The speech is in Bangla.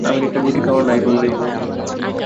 আমেরিকায় রুটি-খাওয়া নাই বললেই হয়।